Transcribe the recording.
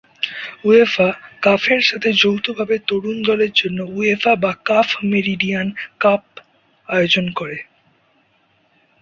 UEFA কাফের সাথে যৌথভাবে তরুণ দলের জন্য উয়েফা/কাফ মেরিডিয়ান কাপ আয়োজন করে।